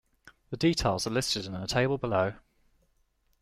The details are listed in the table below.